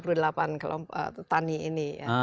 untuk tiga puluh delapan kelompok petani ini ya